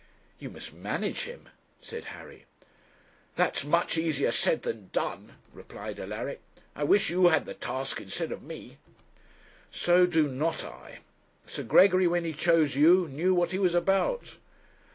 'You must manage him,' said Harry. 'That is much easier said than done,' replied Alaric. 'I wish you had the task instead of me.' 'So do not I. Sir Gregory, when he chose you, knew what he was about.'